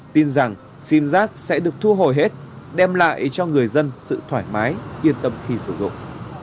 tin rằng sim giác sẽ được thu hồi hết đem lại cho người dân sự thoải mái yên tâm khi sử dụng